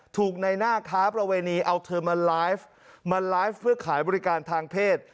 ถูกในหน้าค้าประเวณีเอาเธอมาไลฟ์มาไลฟ์เพื่อขายบริการทางเพศ